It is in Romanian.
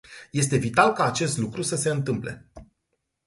Este vital ca acest lucru să se întâmple.